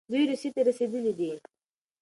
دی روسيې ته رسېدلی دی.